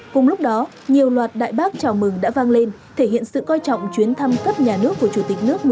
cùng lúc đó nhiều loạt đại bác chào mừng đã vang lên thể hiện sự coi trọng chuyến thăm cấp nhà nước của chủ tịch nước